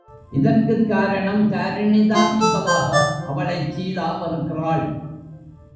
இதற்குக் காரணம் தாரிணிதான் என்பதாக அவளைச் சீதா வெறுக்கிறாள்.